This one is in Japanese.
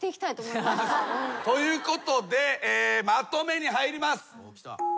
ということでまとめに入ります。